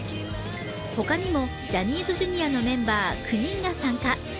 他にもジャニーズＪｒ．のメンバー９人が参加。